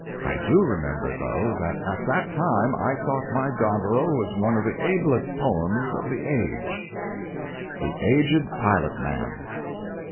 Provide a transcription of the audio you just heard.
I do remember, though, that at that time I thought my doggerel was one of the ablest poems of the age: THE AGED PILOT MAN.